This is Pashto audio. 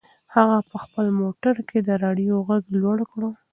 هغه په خپل موټر کې د رادیو غږ لوړ کړ.